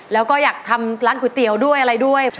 แล้วก็อยากทำร้านก๋วยเตี๋ยวด้วยอะไรด้วย